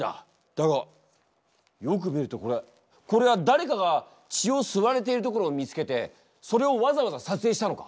だがよく見るとこれこれは誰かが血を吸われているところを見つけてそれをわざわざ撮影したのか？